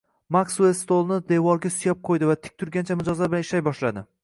Maksuel stulini devorga suyab qo`ydi va tik turgancha mijozlar bilan ishlay boshladi